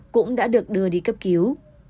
cũng đã được đưa đi cấp cứu